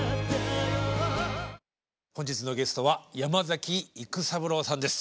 本日のゲストは山崎育三郎さんです。